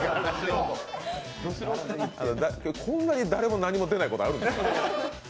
こんなに誰も何も出ないことあるの。